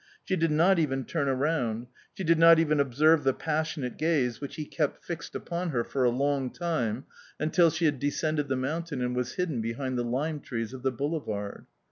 She did not even turn round, she did not even observe the passionate gaze which he kept fixed upon her for a long time until she had descended the mountain and was hidden behind the lime trees of the boulevard...